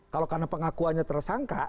kalau karena pengakuannya tersangka